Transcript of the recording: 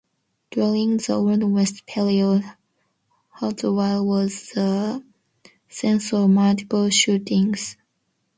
During the Old West period, Hartville was the scene of multiple shootings.